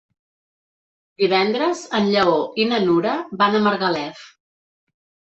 Divendres en Lleó i na Nura van a Margalef.